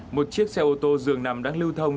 một chiếc xe ô tô dường nằm đang lưu thông